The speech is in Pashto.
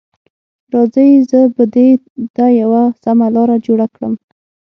راځئ، زه به دې ته یوه سمه لاره جوړه کړم.